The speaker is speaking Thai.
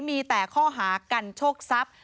มีแต่ข้อหากันโชคทรัพย์